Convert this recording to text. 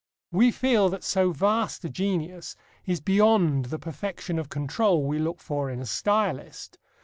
We feel that so vast a genius is beyond the perfection of control we look for in a stylist.